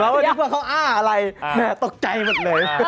เรามาดิวเขาอ้าอะไรตกใจมากเลย